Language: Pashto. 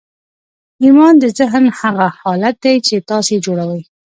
ایمان د ذهن هغه حالت دی چې تاسې یې جوړوئ